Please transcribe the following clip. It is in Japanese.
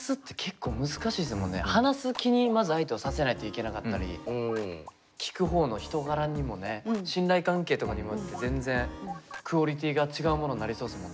話す気にまず相手をさせないといけなかったり聞く方の人柄にもね信頼関係とかにもよって全然クオリティーが違うものになりそうですもんね。